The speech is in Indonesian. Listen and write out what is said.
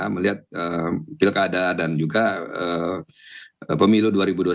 melihat pilkada dan juga pemilu dua ribu dua puluh